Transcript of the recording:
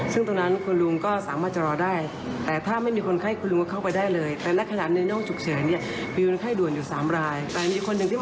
คือมีคนไข้อีกคนหนึ่ง